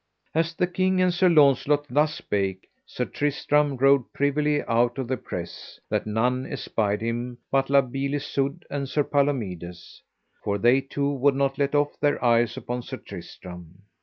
As the king and Sir Launcelot thus spake, Sir Tristram rode privily out of the press, that none espied him but La Beale Isoud and Sir Palomides, for they two would not let off their eyes upon Sir Tristram.